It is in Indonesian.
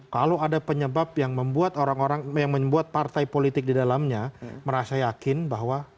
kalau ada penyebab yang membuat orang orang yang membuat partai politik di dalamnya merasa yakin bahwa